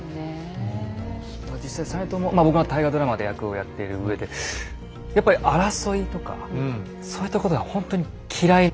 実際実朝僕が大河ドラマで役をやっているうえでやっぱり争いとかそういったことがほんとに嫌い。